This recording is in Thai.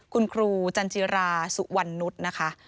คุณครูจันจิราสุวรรณนุษย์นะคะ